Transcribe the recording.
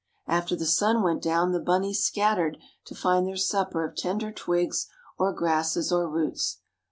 After the sun went down the bunnies scattered to find their supper of tender twigs or grasses or roots.